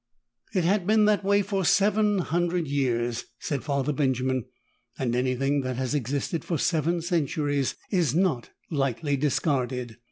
It had been that way for seven hundred years, said Father Benjamin, and anything that has existed for seven centuries is not lightly discarded.